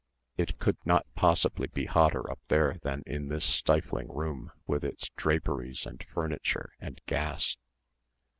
It could not possibly be hotter up there than in this stifling room with its draperies and furniture and gas.